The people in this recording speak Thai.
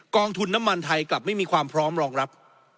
องทุนน้ำมันไทยกลับไม่มีความพร้อมรองรับ